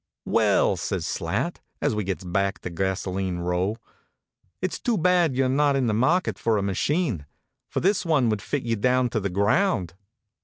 Well," says Slat, as we gets back to Gasolene Row, " it s too bad you re not in the market for a machine; for this one would fit you down to the ground."